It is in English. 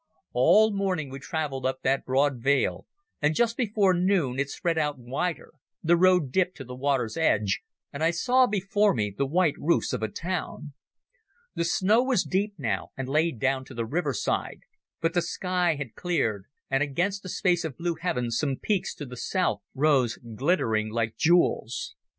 All morning we travelled up that broad vale, and just before noon it spread out wider, the road dipped to the water's edge, and I saw before me the white roofs of a town. The snow was deep now, and lay down to the riverside, but the sky had cleared, and against a space of blue heaven some peaks to the south rose glittering like jewels.